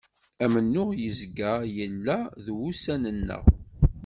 Amennuɣ yezga yella d wussan-nneɣ.